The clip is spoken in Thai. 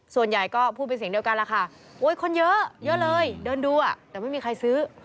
ส่วนใหญ่ก็พูดเป็นเสียงเดียวกันล่ะค่ะโอ้ยคนเยอะเยอะเลยเดินดูอ่ะแต่ไม่มีใครซื้อ